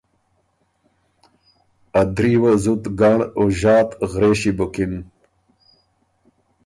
ا دري وه زُت ګنړ او ݫات غرېݭی بُکِن